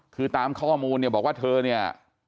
คือตามข้อมูลเนี่ยบอกว่าเธอเนี่ย